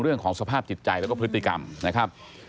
เรื่องของสภาพจิตใจแล้วก็พฤติกรรมนะครับ